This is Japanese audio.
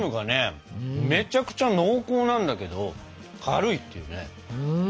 めちゃくちゃ濃厚なんだけど軽いっていうね